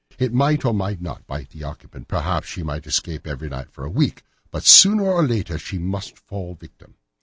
It might or might not bite the occupant, perhaps she might escape every night for a week, but sooner or later she must fall a victim.